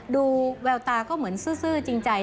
ดูแววตาก็เหมือนซื่อจริงใจ